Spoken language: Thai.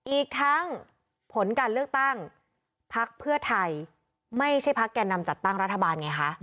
อีกทั้งผลการเลือกตั้งพักเพื่อไทยไม่ใช่พักแก่นำจัดตั้งรัฐบาลไงคะ